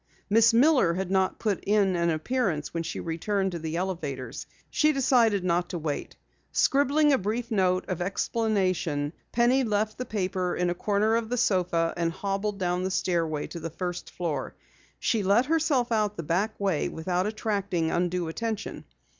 Miss Miller had not put in an appearance when she returned to the elevators. She decided not to wait. Scribbling a brief note of explanation, Penny left the paper in a corner of the sofa and hobbled down the stairway to the first floor. She let herself out the back way without attracting undue attention.